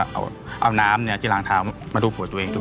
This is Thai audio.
แล้วก็เอาน้ำเนี่ยที่ลางเท้ามาดูหัวตัวเองด้วย